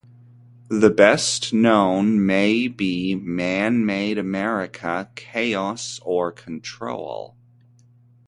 The best known may be Man-made America: Chaos or Control?